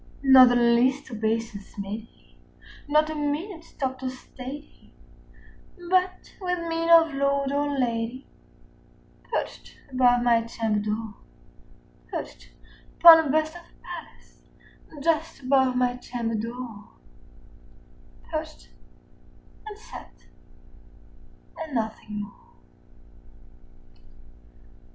Not the least obeisance made he; not a minute stopped or stayed he; But, with mien of lord or lady, perched above my chamber door, 40 Perched upon a bust of Pallas just above my chamber door: Perched, and sat, and nothing more.